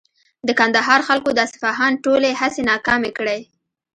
د کندهار خلکو د اصفهان ټولې هڅې ناکامې کړې.